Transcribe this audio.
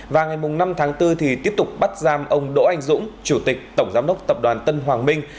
và ngày năm tháng bốn thì tiếp tục bắt giam ông đỗ anh dũng chủ tịch tổng giám đốc tập đoàn tân hoàng minh